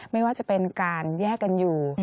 ไม่ว่าจะเป็นการแยกกันอยู่